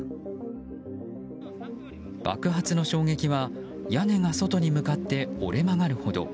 爆発の衝撃は屋根が外に向かって折れ曲がるほど。